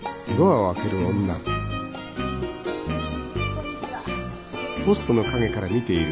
こんにちは。